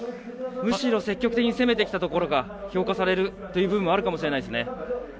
むしろ、積極的に攻めてきたところが評価されるという部分もあるかもしれないですね。